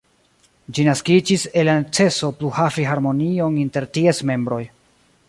Ĝi naskiĝis el la neceso pluhavi harmonion inter ties membroj.